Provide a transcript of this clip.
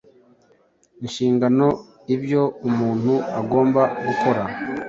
Inshingano: ibyo umuntu agomba gukora